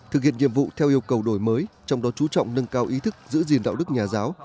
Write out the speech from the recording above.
thực hiện nhiệm vụ theo yêu cầu đổi mới trong đó chú trọng nâng cao ý thức giữ gìn đạo đức nhà giáo